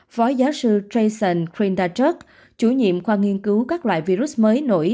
phó giáo sư jason krindadzic chủ nhiệm khoa nghiên cứu các loại virus mới nổi